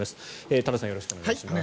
多田さんよろしくお願いします。